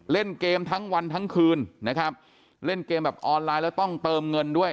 เล่นเกมทั้งวันทั้งคืนนะครับเล่นเกมแบบออนไลน์แล้วต้องเติมเงินด้วย